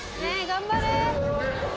頑張れ。